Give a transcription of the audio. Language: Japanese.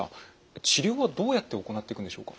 治療はどうやって行っていくんでしょうか？